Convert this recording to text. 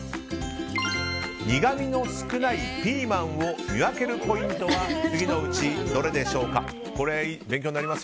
苦みの少ないピーマンを見分けるポイントは次のうちどれでしょうか。